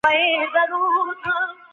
د علم ترلاسه کول دوامداره اړتیا ده.